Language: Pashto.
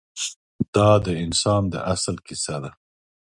دا د انسان د اصل کیسه ده.